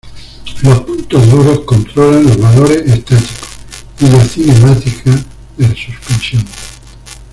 Los puntos duros controlan los valores estáticos y la cinemática de la suspensión.